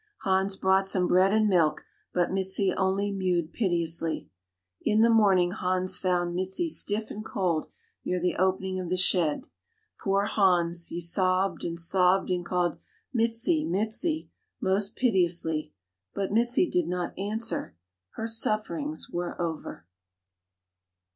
Hans brought some bread and milk but Mizi only mewed piteously. In the morning Hans found Mizi stiff and cold near the opening of the shed. Poor Hans, he sobbed and sobbed and called, "Mizi, Mizi," most piteously but Mizi did not answer; her sufferings were over.